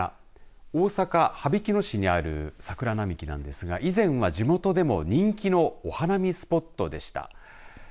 こちら、大阪羽曳野市にある桜並木なんですが以前は地元でも人気のお花見スポットでした。